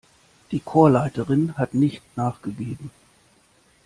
Die Chorleiterin hat nicht nachgegeben.